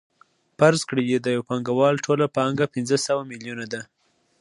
فرض کړئ د یو پانګوال ټوله پانګه پنځه سوه میلیونه ده